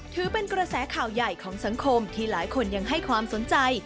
ถือเป็นกระแสข่าวใหญ่ของสังคมที่หลายคนยังให้ความสนใจ